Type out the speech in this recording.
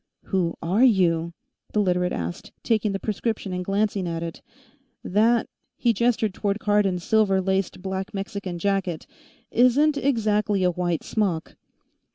"Who are you?" the Literate asked, taking the prescription and glancing at it. "That," he gestured toward Cardon's silver laced black Mexican jacket "isn't exactly a white smock."